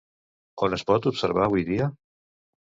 On es pot observar avui dia?